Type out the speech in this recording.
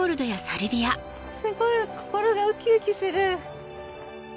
すごい心がウキウキする。